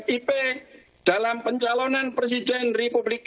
tidak masuk parlement pusat